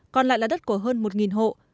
còn lại là đất của hơn một hộ